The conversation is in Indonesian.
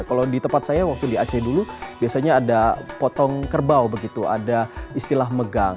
kalau di tempat saya waktu di aceh dulu biasanya ada potong kerbau begitu ada istilah megang